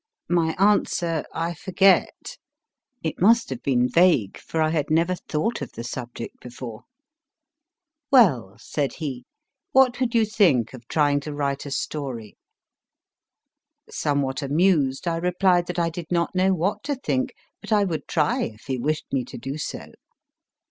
My answer I forget. It must have been vague, for I had never thought of the subject before. Well/ said he, * what would you think of trying to write a story ? Somewhat amused, I replied that I did not know what to think, but I would try if he wished me to do so.